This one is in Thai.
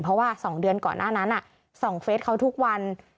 เพราะว่า๒เดือนก่อนหน้านั้นส่องเฟสเขาทุกวัน